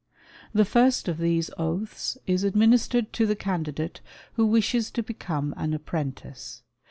The first of these oaths is administered to the candidate who wishes to become an apprentice.